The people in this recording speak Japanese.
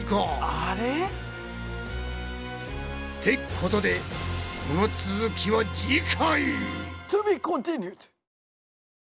アレ？ってことでこの続きは次回！